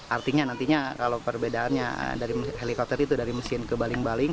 artinya nantinya kalau perbedaannya dari helikopter itu dari mesin ke baling baling